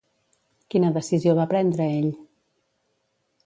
Quina decisió va prendre ell?